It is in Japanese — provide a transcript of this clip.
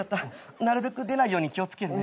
なるべく出ないように気を付けるね。